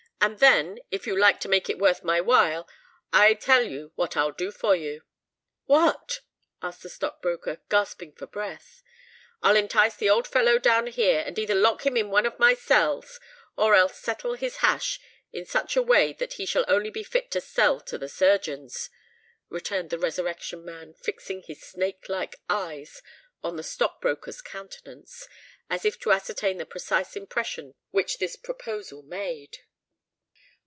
"And, then—if you like to make it worth my while—I tell you what I'll do for you." "What?" asked the stock broker, gasping for breath. "I'll entice the old fellow down here, and either lock him up in one of my cells, or else settle his hash in such a way that he shall only be fit to sell to the surgeons," returned the Resurrection Man, fixing his snake like eyes on the stock broker's countenance, as if to ascertain the precise impression which this proposal made.